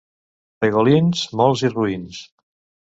Pegolins molts i roïns.